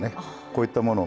こういったもの